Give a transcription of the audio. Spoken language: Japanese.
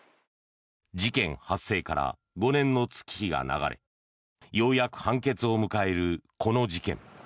事件発生から５年の月日が流れようやく判決を迎えるこの事件。